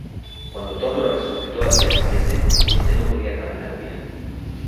Cuando Thor los resucitó al día siguiente, este no podía caminar bien.